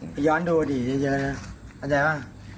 ไปย้อนดูอดีตเยอะอันใจป่ะ